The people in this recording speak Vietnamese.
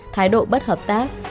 thái độ bất hợp tác